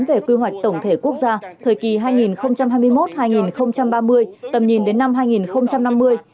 về quy hoạch tổng thể quốc gia thời kỳ hai nghìn hai mươi một hai nghìn ba mươi tầm nhìn đến năm hai nghìn năm mươi